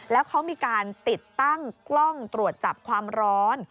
แล้วเขามีการติดตั้งกล้องตรวจจับความร้อน